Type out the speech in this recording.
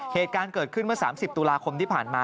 เหตุการณ์เกิดขึ้นเมื่อ๓๐ตุลาคมที่ผ่านมา